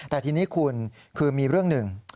แต่ทีนี้คุณคือมีเรื่องหนึ่ง